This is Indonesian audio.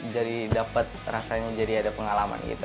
jadi dapat rasanya jadi ada pengalaman gitu